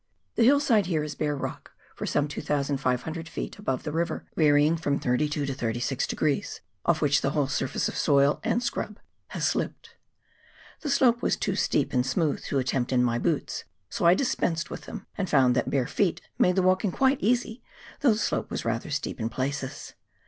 The hillside here is bare rock for some 2,500 ft. above the river — varying from 32 to 36 degrees — off which the whole surface of soil and scrub has slipped. The slope was too steep and smooth to attempt in my boots, so I dispensed with them and found that bare feet made the walking quite easy, though the slope was rather steep in places.